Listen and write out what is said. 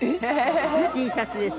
Ｔシャツです。